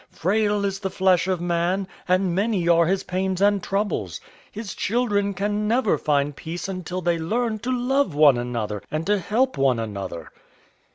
Frail is the flesh of man, and many are his pains and troubles. His children can never find peace until they learn to love one another and to help one another.